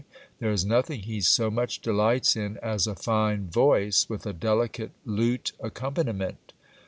There is nothing he so much delights in as a fine voice, with a delicate lute accompaniment.